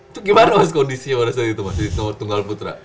itu gimana mas kondisinya pada saat itu mas di nomor tunggal putra